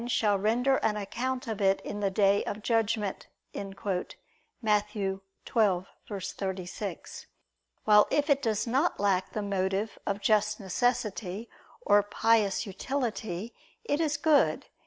shall render an account of it in the day of judgment" (Matt. 12:36): while if it does not lack the motive of just necessity or pious utility, it is good.